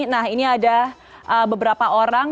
nah ini ada beberapa orang